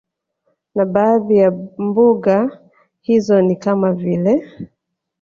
Na baadhi ya mbuga hizo ni kama vile